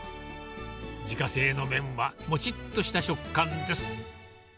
自家製の麺は、もちっとした食感です。